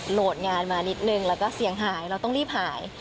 โหลดงานมานิดนึงแล้วก็เสียงหายเราต้องรีบหาย